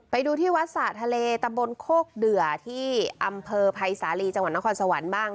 ไปดูที่วัดสระทะเลตำบลโคกเดือที่อำเภอภัยสาลีจังหวัดนครสวรรค์บ้าง